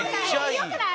よくない？